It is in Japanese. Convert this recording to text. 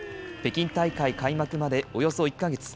北京大会開幕までおよそ１か月。